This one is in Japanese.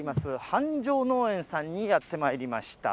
繁昌農園さんにやってまいりました。